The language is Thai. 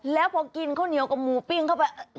แล้วพอกินข้าวเหนียวกับหมูปิ้งเข้าไป